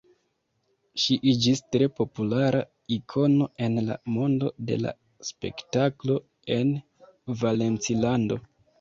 Ŝi iĝis tre populara ikono en la mondo de la spektaklo en Valencilando.